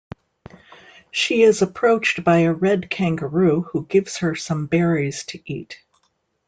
She is approached by a red kangaroo who gives her some berries to eat.